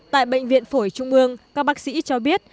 tại bệnh viện phổi trung ương các bác sĩ cho biết